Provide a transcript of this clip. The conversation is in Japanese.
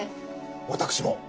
私も。